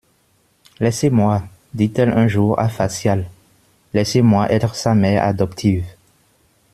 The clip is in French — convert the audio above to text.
Laissez-moi, dit-elle un jour à Facial, laissez-moi être sa mère adoptive.